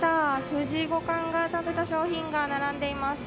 藤井五冠が食べた商品が並んでいます。